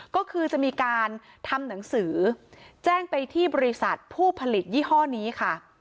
ก็คือจะมีการทำหนังสือแจ้งไปที่บริษัทผู้ผลิตยี่ห้อนี้ค่ะ